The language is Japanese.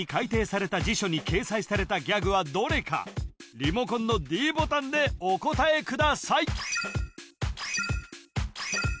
リモコンのｄボタンでお答えください